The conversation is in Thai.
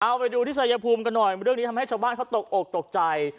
เอาไปดูที่ชายภูมิกันหน่อยเรื่องนี้ทำให้ชาวบ้านเขาตกอกตกใจ